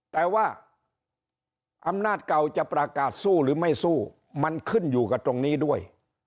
แต่ว่าอำนาจเก่าจะประกาศสู้หรือไม่สู้มันขึ้นอยู่กับตรงนี้ด้วย